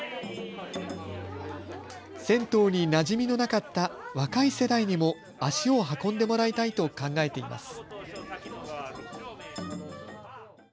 銭湯になじみのなかった若い世代にも足を運んでもらいたいと考えています。